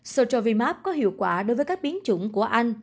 sotravimap có hiệu quả đối với các biến chủng của anh